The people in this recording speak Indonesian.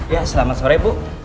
ya selamat sore bu